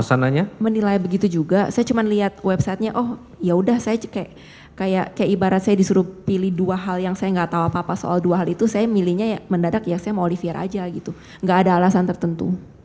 saya tidak menilai begitu juga saya cuman lihat websitenya oh yaudah saya kayak ibarat saya disuruh pilih dua hal yang saya gak tahu apa apa soal dua hal itu saya milihnya ya mendadak ya saya mau oliver aja gitu gak ada alasan tertentu